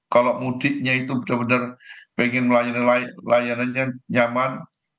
kalau mudiknya itu benar benar pengen layanannya nyaman